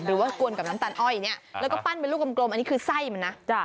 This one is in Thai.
หรือว่ากวนกับน้ำตาลอ้อยเนี่ยแล้วก็ปั้นเป็นลูกกลมอันนี้คือไส้มันนะ